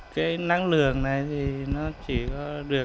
cái năng lượng này thì nó chỉ có được